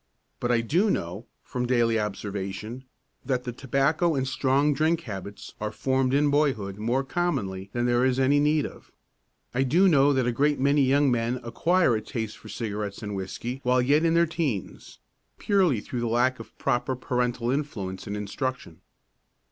But I do know, from daily observation, that the tobacco and strong drink habits are formed in boyhood more commonly than there is any need of. I do know that a great many young men acquire a taste for cigarettes and whiskey while yet in their teens, purely through lack of the proper parental influence and instruction.